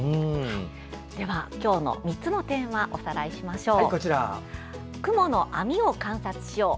では、今日の３つのテーマおさらいしましょう。